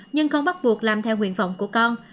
nhưng không bắt buộc làm theo nguyện vọng của con